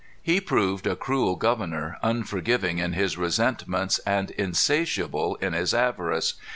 He proved a cruel governor, unforgiving in his resentments, and insatiable in his avarice.